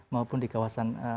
maupun di kawasan